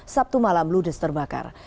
sabtu malam ludes terbakar